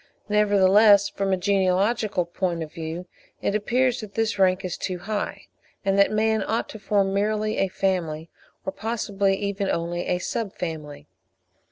Nevertheless, from a genealogical point of view it appears that this rank is too high, and that man ought to form merely a Family, or possibly even only a Sub family.